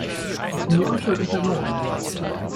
Ich bin die Unschuld in Person!